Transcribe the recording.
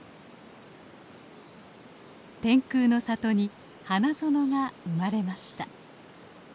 天空の里に花園が生まれました。